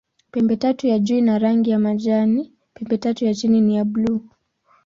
Pembetatu ya juu ina rangi ya majani, pembetatu ya chini ni ya buluu.